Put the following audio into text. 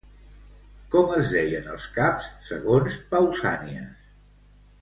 Com es deien els caps, segons Pausànies?